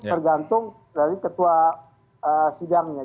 tergantung dari ketua sidangnya